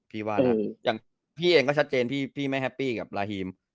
ว่านะอย่างพี่เองก็ชัดเจนพี่ไม่แฮปปี้กับลาฮีม